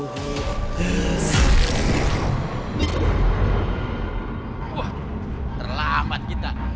wah terlambat kita